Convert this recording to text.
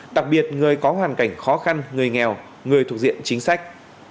đặc biệt người có hoàn cảnh khó khăn người nghèo người thuộc diện chính sách